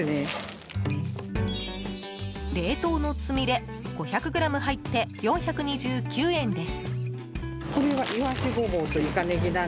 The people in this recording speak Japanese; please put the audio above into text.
冷凍のつみれ５００ｇ入って４２９円です。